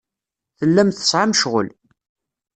Tellam tesɛam ccɣel.